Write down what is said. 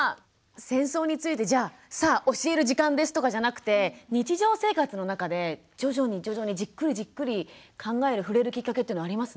戦争についてじゃあ「さあ教える時間です」とかじゃなくて日常生活の中で徐々に徐々にじっくりじっくり考える触れるきっかけっていうのはありますね。